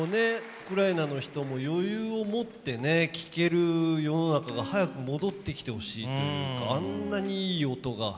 ウクライナの人も余裕を持ってね聴ける世の中が早く戻ってきてほしいというかあんなにいい音が。